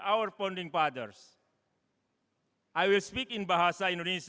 saya akan berbicara dalam bahasa indonesia